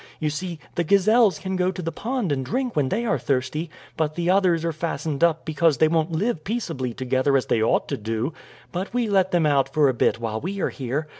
You see, the gazelles can go to the pond and drink when they are thirsty, but the others are fastened up because they won't live peaceably together as they ought to do; but we let them out for a bit while we are here.